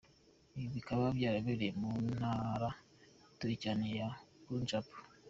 Ibi bikaba byarabereye mu ntara ituwe cyane ya Punjab.